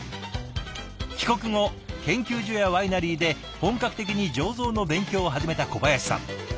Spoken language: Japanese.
帰国後研究所やワイナリーで本格的に醸造の勉強を始めた小林さん。